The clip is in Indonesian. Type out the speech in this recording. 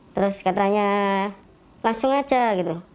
terus saya tanya langsung aja gitu